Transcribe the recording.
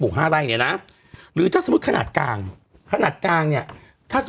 อืมอืมอืม